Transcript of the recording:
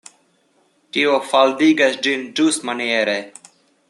Tio faldigas ĝin ĝustmaniere.